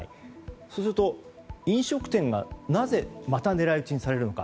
そうすると飲食店がなぜまた狙い撃ちにされるのか。